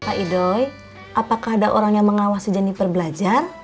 pak idoi apakah ada orang yang mengawasi jeniper belajar